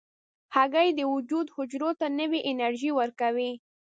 هګۍ د وجود حجرو ته نوې انرژي ورکوي.